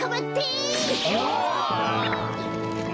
お！